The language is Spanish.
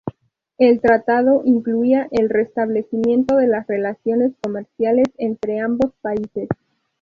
El tratado incluía el restablecimiento de las relaciones comerciales entre ambos países.